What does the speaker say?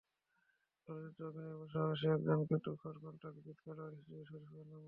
চলচ্চিত্রে অভিনয়ের পাশাপাশি একজন তুখোড় কনট্রাক্ট ব্রিজ খেলোয়াড় হিসেবে শরিফের সুনাম ছিল।